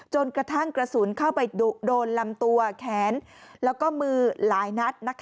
กระทั่งกระสุนเข้าไปโดนลำตัวแขนแล้วก็มือหลายนัด